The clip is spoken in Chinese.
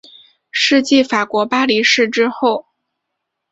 是继法国巴黎市之后。